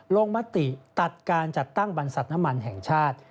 มติตัดการจัดตั้งบรรษัทน้ำมันแห่งชาติ